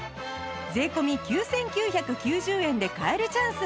税込９９９０円で買えるチャンス